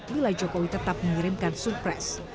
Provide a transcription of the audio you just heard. bila jokowi tetap mengirimkan surpres